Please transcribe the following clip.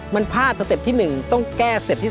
มันพลาดสเต็ปที่๑ต้องแก้สเต็ปที่๒